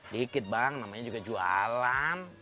dikit bang namanya juga jualan